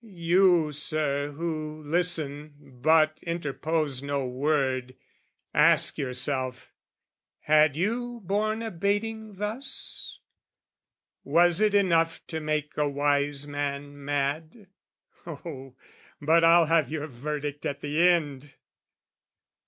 You, Sir, who listen but interpose no word, Ask yourself, had you borne a baiting thus? Was it enough to make a wise man mad? Oh, but I'll have your verdict at the end!